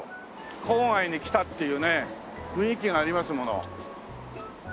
郊外に来たっていうね雰囲気がありますもの。